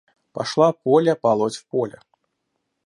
Пошла Поля полоть в поле.